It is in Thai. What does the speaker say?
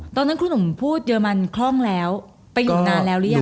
ตอนนั้นครูหนุ่มพูดเรมันคล่องแล้วไปอยู่นานแล้วหรือยัง